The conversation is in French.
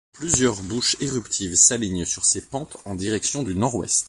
Plusieurs bouches éruptives s'alignent sur ses pentes en direction du nord-ouest.